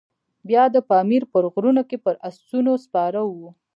بیا د پامیر په غرونو کې پر آسونو سپاره وو.